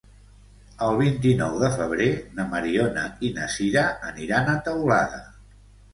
El vint-i-nou de febrer na Mariona i na Sira aniran a Teulada.